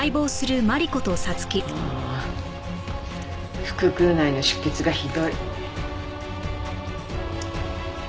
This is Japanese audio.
ああ腹腔内の出血がひどい。